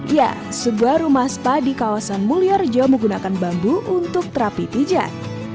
ya sebuah rumah spa di kawasan mulyorejo menggunakan bambu untuk terapi pijat